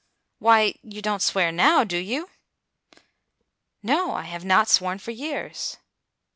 "Why, you don't swear now, do you?" "No, I have not sworn for years."